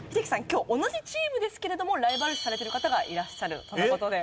今日同じチームですけれどもライバル視されてる方がいらっしゃるとの事で。